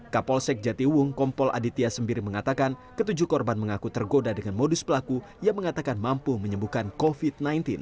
kapolsek jatiwung kompol aditya sembiri mengatakan ketujuh korban mengaku tergoda dengan modus pelaku yang mengatakan mampu menyembuhkan covid sembilan belas